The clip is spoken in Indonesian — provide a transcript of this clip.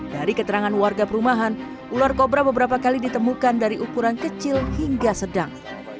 dari keterangan warga perumahan ular kobra beberapa kali ditemukan dari ukuran kecil hingga sedang